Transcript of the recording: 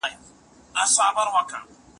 د پېژندنې شراب.